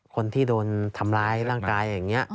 คนที่โดนทำร้ายร่างกายอย่างนี้